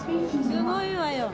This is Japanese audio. すごいわよ。